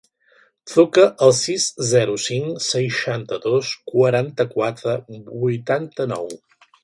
Truca al sis, zero, cinc, seixanta-dos, quaranta-quatre, vuitanta-nou.